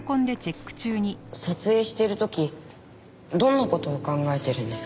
撮影している時どんな事を考えているんですか？